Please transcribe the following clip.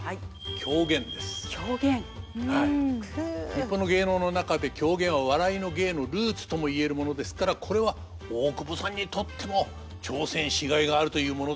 日本の芸能の中で狂言は「笑いの芸」のルーツともいえるものですからこれは大久保さんにとっても挑戦しがいがあるというものです。